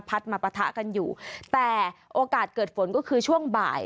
มาปะทะกันอยู่แต่โอกาสเกิดฝนก็คือช่วงบ่าย